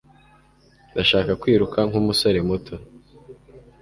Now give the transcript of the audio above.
ndashaka kwiruka nkumusore muto